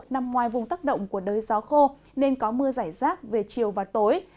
nằm ngoài vùng tắc động của đới gió khô nên có mưa rải rác về chiều và tối